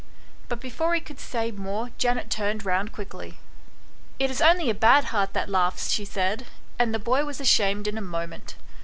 But before he could say more Janet turned round quickly. " It is only a bad heart that laughs," she said ; and the boy was ashamed in a moment.